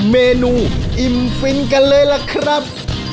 เมนูอิ่มฟินกันเลยล่ะครับ